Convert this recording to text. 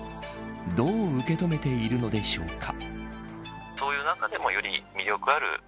どう受け止めているのでしょうか。